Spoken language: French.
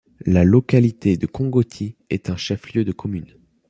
La localité de Kongoti est un chef-lieu de commune.